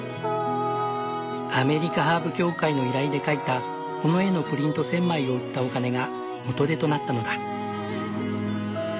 アメリカハーブ協会の依頼で描いたこの絵のプリント１，０００枚を売ったお金が元手となったのだ。